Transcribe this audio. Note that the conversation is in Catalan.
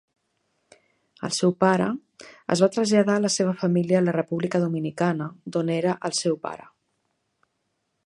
El seu pare es va traslladar a la seva família a la República Dominicana d'on era el seu pare.